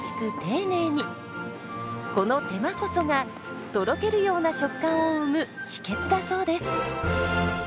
この手間こそがとろけるような食感を生む秘訣だそうです。